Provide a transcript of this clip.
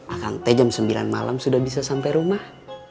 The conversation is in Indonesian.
akan teh jam sembilan malam sudah bisa sampai rumah